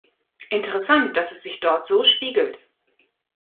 Interessant, dass es sich dort so spiegelt.